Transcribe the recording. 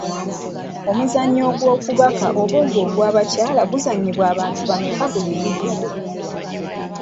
Omuzannyo gw'okubaka oba ogw’abakyala guzannyibwa abantu bameka buli ludda.?